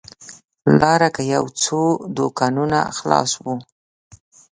لاره کې یو څو دوکانونه خلاص و.